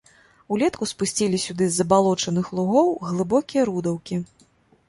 Улетку спусцілі сюды з забалочаных лугоў глыбокія рудаўкі.